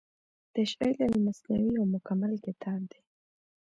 تشعيل المثنوي يو مکمل کتاب دی